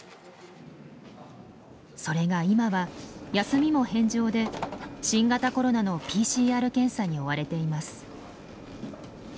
それが今は休みも返上で新型コロナのＰＣＲ検査に追われています。